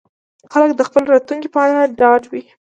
خلک د خپل راتلونکي په اړه ډاډه وي.